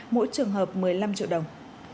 mỗi trường hợp một mươi năm triệu đồng